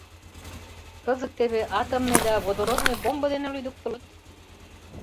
Кызыт теве атомный да водородный бомбо дене лӱдыктылыт?